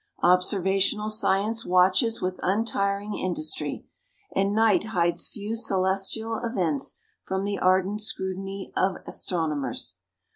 Observational science watches with untiring industry, and night hides few celestial events from the ardent scrutiny of astronomers.